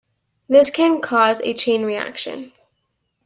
This can cause a chain reaction.